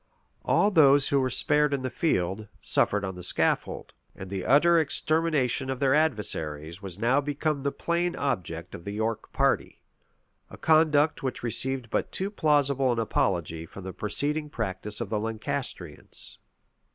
All those who were spared in the field, suffered on the scaffold; and the utter extermination of their adversaries was now become the plain object of the York party; a conduct which received but too plausible an apology from the preceding practice of the Lancastrians.